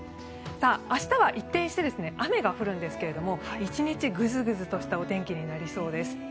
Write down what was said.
明日は一転して雨が降るんですけど１日グズグズとしたお天気になりそうです。